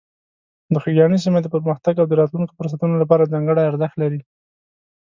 د خوږیاڼي سیمه د پرمختګ او د راتلونکو فرصتونو لپاره ځانګړې ارزښت لري.